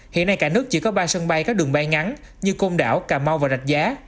hiện nay cả nước chỉ có ba sân bay có đường bay ngắn như côn đảo cà mau và rạch giá